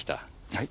はい？